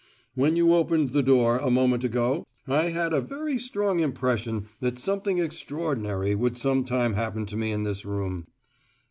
When you opened the door, a moment ago, I had a very strong impression that something extraordinary would some time happen to me in this room."